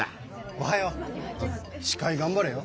おはよう！司会がんばれよ。